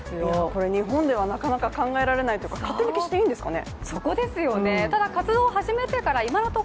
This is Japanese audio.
これ、日本ではなかなか考えられないというか勝手に消していいんですかね。